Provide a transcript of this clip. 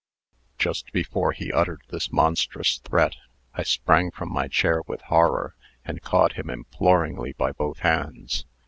"Just before he uttered this monstrous threat, I sprang from my chair with horror, and caught him imploringly by both hands.